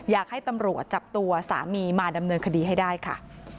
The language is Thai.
อยากให้ตำรวจจับตัวสามีมาดำเนินคดีให้ได้ค่ะ